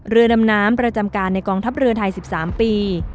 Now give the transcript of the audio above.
เรือดำน้ำประจำการในกองทัพเรือไทย๑๓ปี